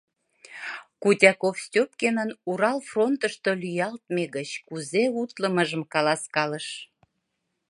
Кутяков Степкинын Урал фронтышто лӱялтме гыч кузе утлымыжым каласкалыш.